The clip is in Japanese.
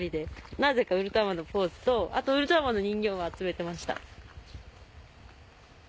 なぜかウルトラマンのポーズとあとウルトラマンの人形を集めてました。